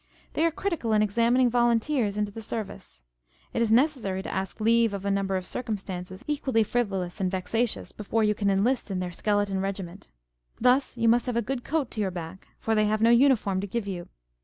They are critical in examining volunteers into the service. It is necessary to ask leave of a number of circumstances equally frivolous and vexatious, before you can enlist in their skeleton regiment. Thus you must have a good coat to your back ; for they have no uniform to give you.